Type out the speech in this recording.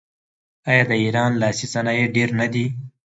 آیا د ایران لاسي صنایع ډیر نه دي؟